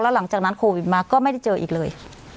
หลังจากนั้นโควิดมาก็ไม่ได้เจออีกเลย